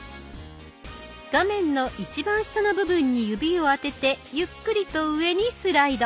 画面の一番下の部分に指をあててゆっくりと上にスライド。